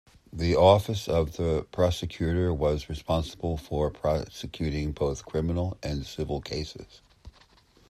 The Office of the Prosecutor was responsible for prosecuting both criminal and civil cases.